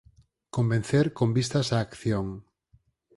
Convencer con vistas á acción.